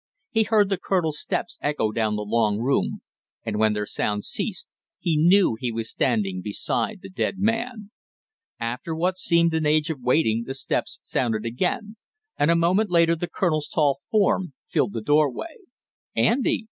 He heard the colonel's steps echo down the long room, and when their sound ceased he knew he was standing beside the dead man. After what seemed an age of waiting the steps sounded again, and a moment later the colonel's tall form filled the doorway. "Andy!"